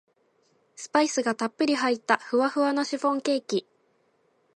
スパイスがたっぷり入ったふわふわのシフォンケーキ